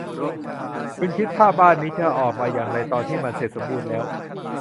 คุณคิดภาพบ้านนี้จะออกมาอย่างไรตอนที่มันเสร็จสมบูรณ์แล้ว